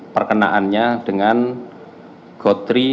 perkenaannya dengan godri